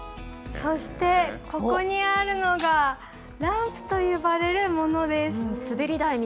ここにあるのがランプと呼ばれるものです。